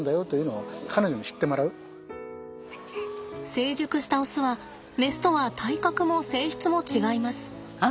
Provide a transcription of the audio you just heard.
成熟したオスはメスとは体格も性質も違います。